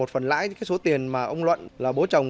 và nhiều người khác ở tỉnh đắk đông